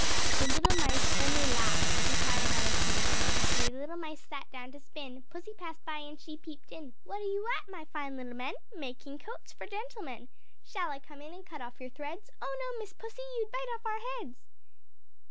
The little mice only laughed, and tried another tune "Three little mice sat down to spin, Pussy passed by and she peeped in. What are you at, my fine little men? Making coats for gentlemen. Shall I come in and cut off your threads? Oh, no, Miss Pussy, you'd bite off our heads!"